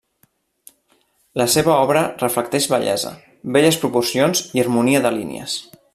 La seva obra reflecteix bellesa, belles proporcions i harmonia de línies.